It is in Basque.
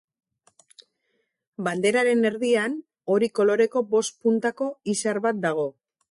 Banderaren erdian hori koloreko bost puntako izar bat dago.